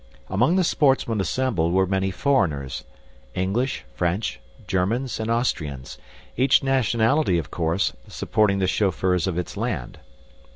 Among the sportsmen assembled were many foreigners, English, French, Germans and Austrians, each nationality, of course, supporting the chauffeurs of its land.